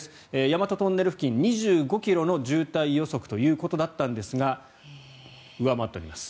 大和トンネル付近、２５ｋｍの渋滞予測ということでしたが上回っております。